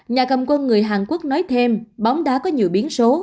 nhà cầm quân người hàn quốc nói thêm bóng đá có nhiều biến số